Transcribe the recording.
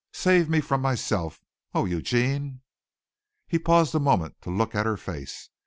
Save me from myself. Oh, Eugene!" He paused a moment to look at her face.